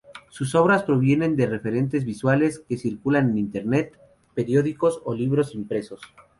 Sus obras provienen de referentes visuales que circulan en Internet, periódicos o libros impresos.